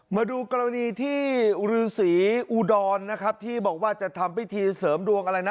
มาดูกรณีที่ฤษีอุดรนะครับที่บอกว่าจะทำพิธีเสริมดวงอะไรนะ